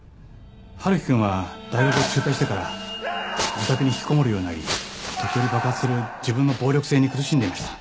春樹くんは大学を中退してから自宅に引きこもるようになり時折爆発する自分の暴力性に苦しんでいました。